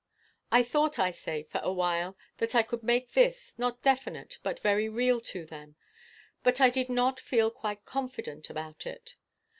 I thought, I say, for a while, that I could make this, not definite, but very real to them. But I did not feel quite confident about it.